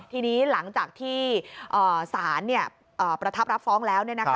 ทีนี้หลังจากที่สารประทับรับฟ้องแล้ว